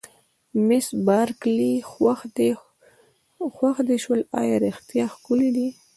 مس بارکلي: خوښ دې شول، ایا رښتیا ښکلي دي؟